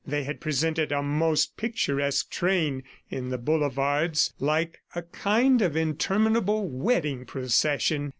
They had presented a most picturesque train in the boulevards, like a kind of interminable wedding procession.